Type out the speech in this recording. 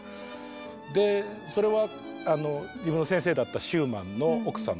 でそれは自分の先生だったシューマンの奥さん